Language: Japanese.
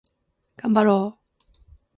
がんばろう